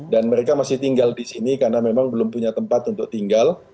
dan mereka masih tinggal di sini karena memang belum punya tempat untuk tinggal